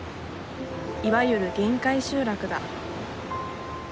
いわゆる限界集落だ。